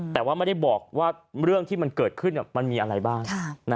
แต่ว่าไม่ได้บอกว่าเรื่องที่มันเกิดขึ้นมันมีอะไรบ้าง